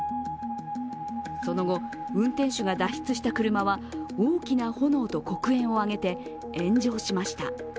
その後、運転手が脱出した車は大きな炎と黒煙を上げて炎上しました。